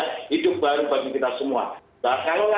pengecanaan penyebaran covid sembilan belas untuk diri jakarta